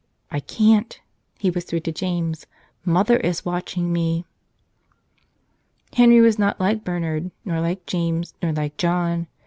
"I can't," he whispered to James. "Mother is watching „_» me. Henry was not like Bernard, nor like James, nor like John.